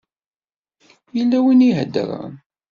Yella win i iheddṛen.